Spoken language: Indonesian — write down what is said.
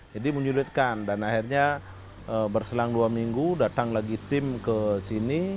jadi menyulitkan dan akhirnya berselang dua minggu datang lagi tim ke sini